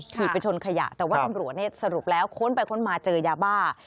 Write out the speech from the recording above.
ไปชนขยะแต่ว่าตำรวจสรุปแล้วค้นไปค้นมาเจอยาบ้า